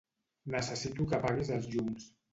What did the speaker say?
Necessito que apaguis els llums.